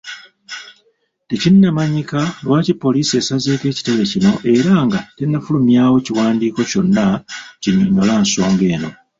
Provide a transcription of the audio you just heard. Tekinnamanyika lwaki poliisi esazeeko ekitebe kino era nga tennafulumyawo kiwandiiko kyonna kinnyonnyola nsonga eno